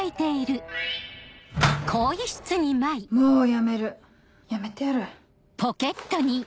もう辞める！辞めてやる。